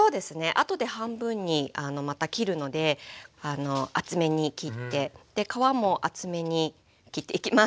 あとで半分にまた切るので厚めに切って皮も厚めに切っていきます。